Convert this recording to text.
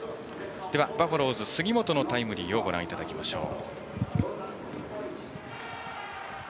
では、バファローズ杉本のタイムリーをご覧いただきましょう。